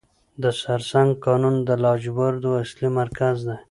د سرسنګ کانونه د لاجوردو اصلي مرکز دی.